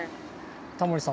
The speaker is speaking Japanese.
タモリさん